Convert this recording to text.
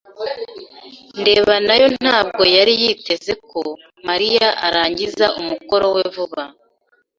ndeba nayo ntabwo yari yiteze ko Mariya arangiza umukoro we vuba.